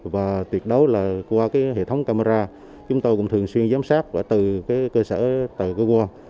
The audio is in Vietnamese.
và tuyệt đối là qua hệ thống camera chúng tôi cũng thường xuyên giám sát từ cơ sở từ cơ quan